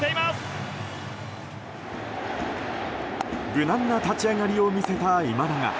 無難な立ち上がりを見せた今永。